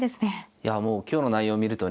いやもう今日の内容を見るとね